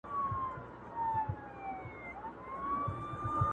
لکه جوړه له بلوړو مرغلینه؛